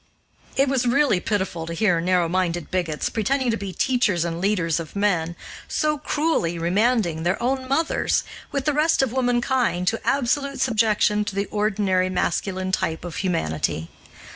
It was really pitiful to hear narrow minded bigots, pretending to be teachers and leaders of men, so cruelly remanding their own mothers, with the rest of womankind, to absolute subjection to the ordinary masculine type of humanity.